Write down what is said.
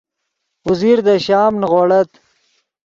اوزیر دے شام نیغوڑت